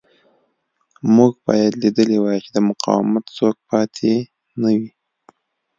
موږ باید لیدلی وای چې د مقاومت څوک پاتې نه وي